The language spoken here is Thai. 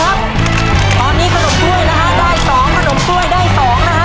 ้าต้องเร่งมือดีนะครับเวลามันไปขับเดินเลยนะครับ